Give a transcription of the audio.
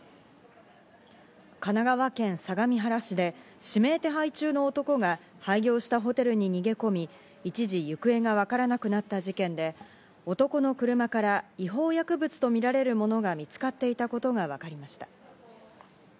神奈川県相模原市で指名手配中の男が廃業したホテルに逃げ込み、一時、行方がわからなくなった事件で、男の車から違法薬物とみられるものが見つかっていたことがわかりました。